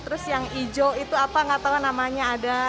terus yang hijau itu apa nggak tahu namanya ada